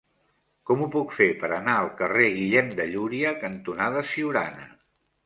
Com ho puc fer per anar al carrer Guillem de Llúria cantonada Siurana?